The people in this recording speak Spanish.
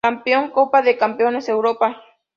Campeón Copa de Campeones Europa